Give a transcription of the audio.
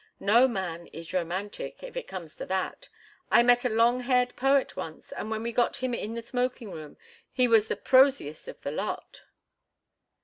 No man is romantic, if it comes to that. I met a long haired poet once, and when we got him in the smoking room he was the prosiest of the lot."